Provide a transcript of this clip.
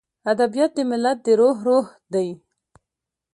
ادبیات د ملت د روح روح دی.